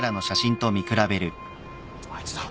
あいつだ！